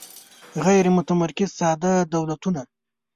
غیر متمرکز ساده دولتونه